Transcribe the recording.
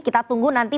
kita tunggu nanti